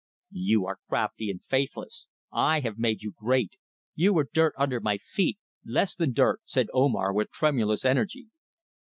"You are crafty and faithless. I have made you great. You were dirt under my feet less than dirt," said Omar, with tremulous energy.